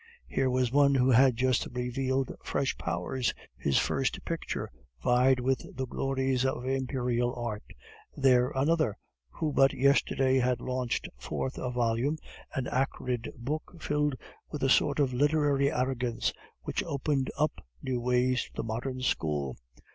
Here was one who had just revealed fresh powers, his first picture vied with the glories of Imperial art. There, another, who but yesterday had launched forth a volume, an acrid book filled with a sort of literary arrogance, which opened up new ways to the modern school.